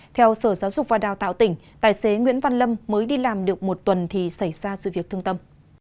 theo sở giáo dục và đào tạo tỉnh tài xế nguyễn văn lâm mới đi làm được một tuần thì xảy ra sự việc thương tâm